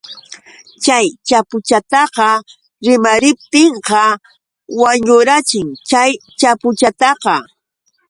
Chay chapuchataqa rimariptinqa wañurachin chay chapuchataqa.